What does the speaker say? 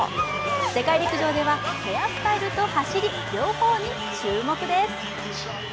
世界陸上ではヘアスタイルと走り、両方に注目です。